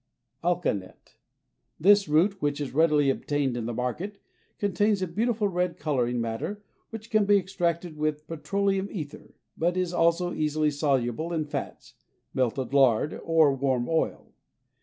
Alkanet. This root, which is readily obtained in the market, contains a beautiful red coloring matter which can be extracted with petroleum ether, but is also easily soluble in fats (melted lard or warm oil).